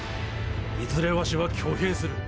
いずれわしは挙兵する。